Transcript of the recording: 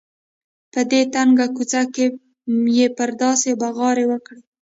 په دې تنګه کوڅه کې یې پرې داسې بغارې وکړې.